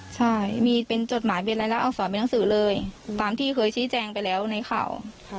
ใช่มีเป็นจดหมายเป็นอะไรแล้วเอาสอนเป็นหนังสือเลยตามที่เคยชี้แจงไปแล้วในข่าว